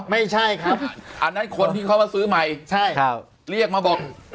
ไม่ใช่ครับอันนั้นคนที่เขามาซื้อใหม่เรียกมาบอก